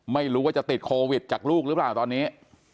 ไม่รู้ว่าจะติดโควิดจากลูกหรือเปล่าตอนนี้